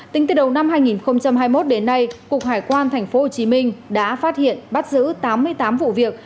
tính từ đầu năm hai nghìn hai mươi một đến nay cục hải quan tp hcm đã phát hiện bắt giữ tám mươi tám vụ việc